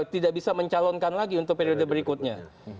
tidak bisa mencalonkan lagi untuk periode berikutnya